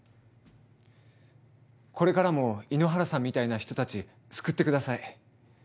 これからも猪原さんみたいな人たち救ってください。